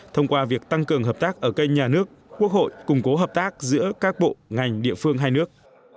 thông qua việc tăng cường hợp tác ở kênh nhà nước quốc hội củng cố hợp tác giữa các bộ ngành địa phương hai nước